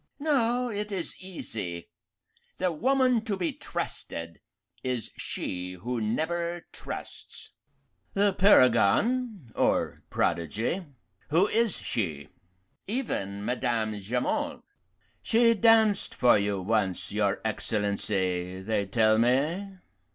"No, it is easy. The woman to be trusted is she who never trusts." "The paragon or prodigy who is she?" "Even Madame Jamond." "She danced for you once, your Excellency, they tell me."